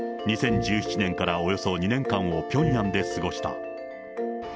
２０１７年からおよそ２年間をピョンヤンで過ごした。